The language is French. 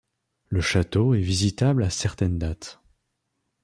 Le château est visitable à certaines dates.